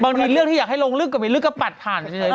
บางทีเรื่องที่อยากให้ลงลึกก็ไม่ลึกก็ปัดผ่านไปเฉย